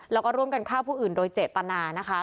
แล้วก็ร่วมกันฆ่าผู้อื่นโดยเจตนานะคะ